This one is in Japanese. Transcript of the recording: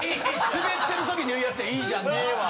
スベってる時に言うやつやいいじゃんねは。